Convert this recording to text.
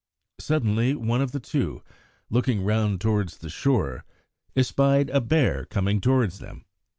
Suddenly one of the two, looking round towards the shore, espied a bear coming towards them.